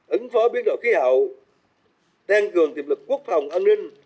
ứng phó biến đổi khí hậu tăng cường tiềm lực quốc phòng an ninh